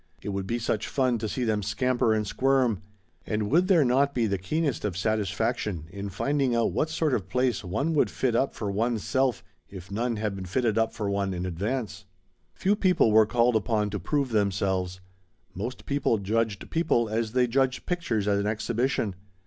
It would be such fun to see them scamper and squirm. And would there not be the keenest of satisfaction in finding out what sort of place one would fit up for one's self if none had been fitted up for one in advance? Few people were called upon to prove themselves. Most people judged people as they judged pictures at an exhibition.